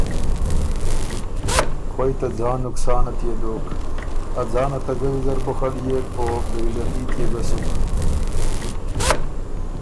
خوئ ته ځان نقصان ات يې دوک، ا ځانه ته ګۀ ویزر بُخَليېک او بی عزتي تيې ګۀ سُک“